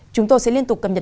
chúng tôi sẽ liên tục cập nhật